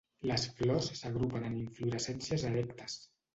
Les flors s'agrupen en inflorescències erectes.